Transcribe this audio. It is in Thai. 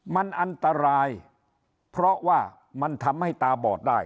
มันอันตรายเพราะว่ามันทำให้ตาบอดได้